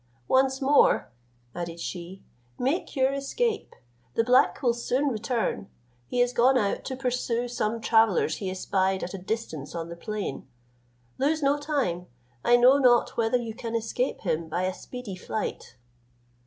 Once more," added she, "make your escape: the black will soon return; he is gone out to pursue some travellers he espied at a distance on the plain. Lose no time; I know not whether you can escape him by a speedy flight."